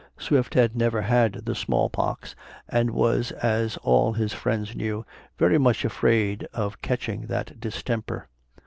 Swift had never had the small pox, and was, as all his friends knew, very much afraid of catching that distemper.